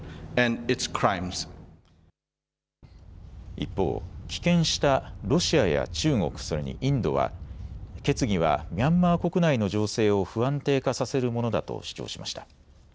一方、棄権したロシアや中国、それにインドは決議はミャンマー国内の情勢を不安定化させるものだと主張しました。